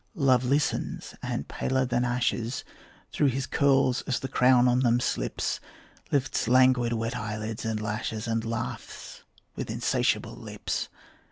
Love listens, and paler than ashes, Through his curls as the crown on them slips, Lifts languid wet eyelids and lashes, And laughs with insatiable lips.